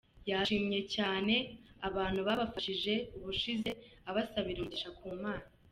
Yashimiye cyane abantu babafashije ubushize abasabira umugisha ku Mana.